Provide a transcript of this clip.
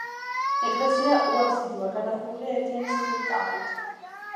ეკლესია უაბსიდოა, გადახურულია ერთიანი სხმული კამარით.